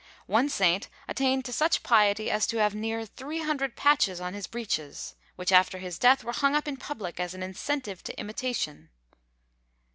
One saint attained to such piety as to have near three hundred patches on his breeches; which, after his death, were hung up in public as an incentive to imitation. St.